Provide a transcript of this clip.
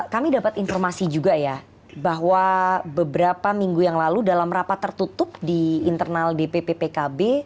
kami dapat informasi juga ya bahwa beberapa minggu yang lalu dalam rapat tertutup di internal dpp pkb